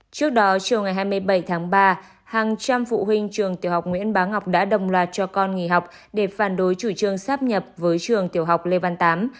trước đó chiều ngày hai mươi bảy tháng ba hàng trăm phụ huynh trường tiểu học nguyễn bá ngọc đã đồng loạt cho con nghỉ học để phản đối chủ trương sắp nhập với trường tiểu học lê văn tám